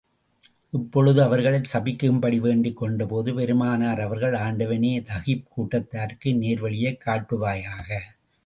இப்பொழுது அவர்களைச் சபிக்கும்படி வேண்டிக் கொண்ட போது, பெருமானார் அவர்கள், ஆண்டவனே, தகீப் கூட்டத்தாருக்கு நேர்வழியைக் காட்டுவாயாக!